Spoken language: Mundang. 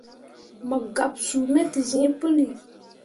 Mo gaɓsuu me te zĩĩ puli.